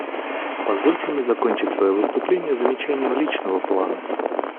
Позвольте мне закончить свое выступление замечанием личного плана.